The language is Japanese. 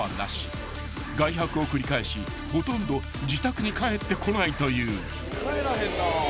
［外泊を繰り返しほとんど自宅に帰ってこないという］